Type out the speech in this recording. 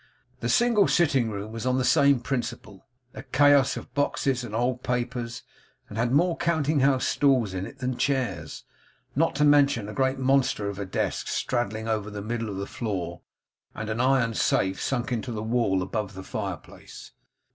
The single sitting room was on the same principle, a chaos of boxes and old papers, and had more counting house stools in it than chairs; not to mention a great monster of a desk straddling over the middle of the floor, and an iron safe sunk into the wall above the fireplace.